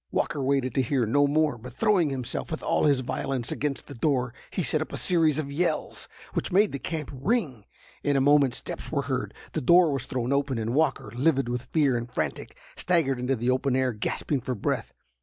Walker waited to hear no more, but throwing himself with all his violence against the door, he set up a series of yells, which made the camp ring. In a moment steps were heard, the door was thrown open, and Walker, livid with fear, and frantic, staggered into the open air, gasping for breath.